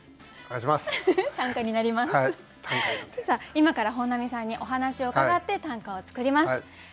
さあ今から本並さんにお話を伺って短歌を作ります。